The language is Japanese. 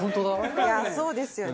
いやそうですよね。